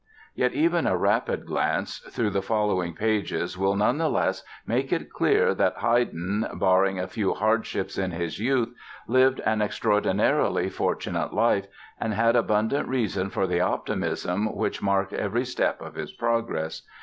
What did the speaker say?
Yet, even a rapid glance through the following pages will, none the less, make it clear that Haydn, barring a few hardships in his youth, lived an extraordinarily fortunate life and had abundant reason for the optimism which marked every step of his progress.